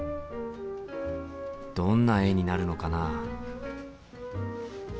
どんな絵になるのかな？